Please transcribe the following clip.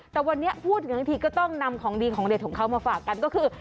แต่วันนี้พูดถึงทีก็ต้องนำของดีของเด็ดของเขามาฝากกันก็คือ